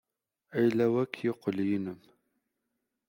Ayla-w akk yeqqel yinem.